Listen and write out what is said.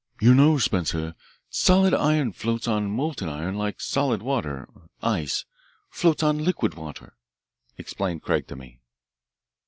"You know, Spencer, solid iron floats on molten iron like solid water ice floats on liquid water," explained Craig to me.